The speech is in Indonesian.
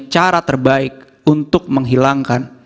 cara terbaik untuk menghilangkan